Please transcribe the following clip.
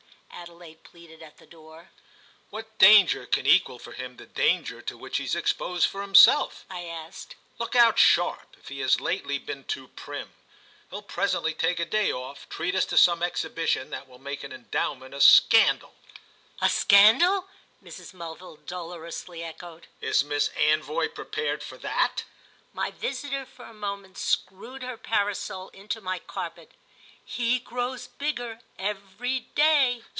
Adelaide pleaded at the door. "What danger can equal for him the danger to which he's exposed from himself?" I asked. "Look out sharp, if he has lately been too prim. He'll presently take a day off, treat us to some exhibition that will make an Endowment a scandal." "A scandal?" Mrs. Mulville dolorously echoed. "Is Miss Anvoy prepared for that?" My visitor, for a moment, screwed her parasol into my carpet. "He grows bigger every day."